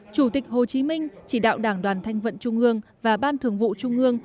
chủ tịch hồ chí minh chỉ đạo đảng đoàn thanh vận trung mương và ban thường vụ trung mương